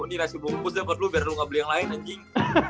ini nasi bongkus deh buat lu biar lu gak beli yang lain anjing